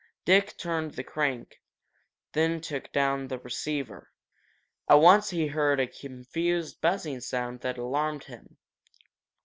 Dick turned the crank, then took down the receiver. At once he herd a confused buzzing sound that alarmed him.